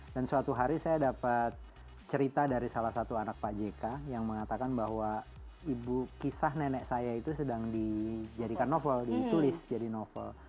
dan suatu hari saya dapat cerita dari salah satu anak pak jk yang mengatakan bahwa ibu kisah nenek saya itu sedang dijadikan novel ditulis jadi novel